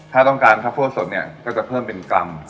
ถ้าต้องการทรัฟเฟิร์สสดเนี่ยจะจะเพิ่มเป็นกรัม